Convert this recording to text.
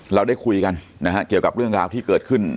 เราได้คุยกันนะฮะเกี่ยวกับเรื่องราวที่เกิดขึ้น